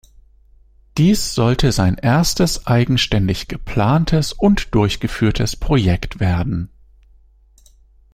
Dies sollte sein erstes eigenständig geplantes und durchgeführtes Projekt werden.